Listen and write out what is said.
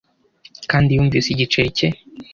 Kandi yumvise igiceri cye